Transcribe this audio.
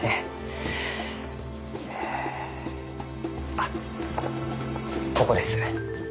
あっここです。